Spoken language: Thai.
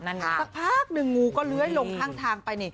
สักพักหนึ่งงูก็เลื้อยลงข้างทางไป